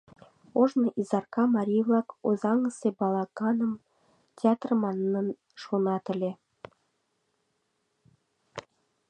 Ожно Изарка марий-влак Озаҥысе балаганым театр манын шонат ыле.